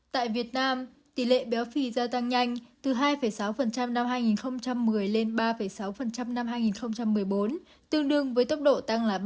tại việt nam tỷ lệ béo phì gia tăng nhanh từ hai sáu năm hai nghìn một mươi lên ba sáu năm hai nghìn một mươi bốn tương đương với tốc độ tăng là ba mươi